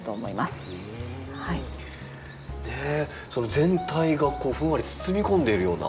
全体がふんわり包み込んでいるような。